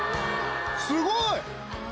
すごい！